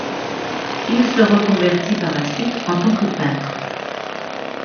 Il se reconvertit par la suite en tant que peintre.